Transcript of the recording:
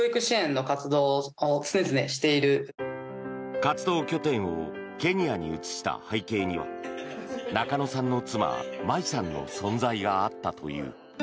活動拠点をケニアに移した背景には中野さんの妻・麻衣さんの存在があったという。